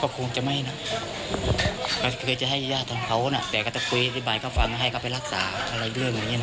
คงจะไม่นะก็คือจะให้ญาติของเขานะแต่ก็จะคุยอธิบายเขาฟังให้เขาไปรักษาอะไรเรื่องอย่างนี้นะ